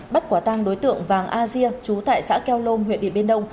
bắt quả tăng đối tượng vàng asia chú tại xã keo lông huyện điện biên đông